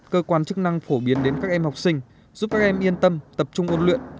cơ quan chức năng phổ biến đến các em học sinh giúp các em yên tâm tập trung ôn luyện